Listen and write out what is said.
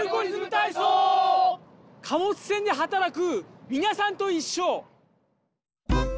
貨物船ではたらくみなさんといっしょ！